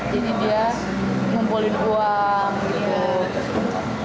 dia ngumpulin uang gitu